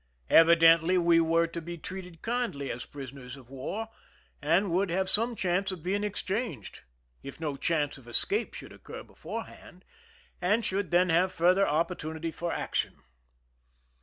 Evidently we were to be treated kindly as pris oners of war, and would have some chance of being exchanged,— if no chance of escape should occur beforehand, — and should then have further oppor tunity for action.